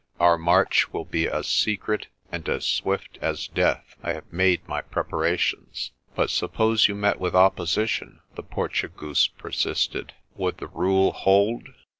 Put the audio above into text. "Our march will be as secret and as swift as death. I have made my preparations." "But suppose you met with opposition," the Portugoose persisted, "would the rule hold?